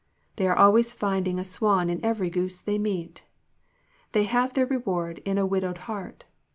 They are always find ing a swan in every goose they meet. They have their reward in a widowed heart.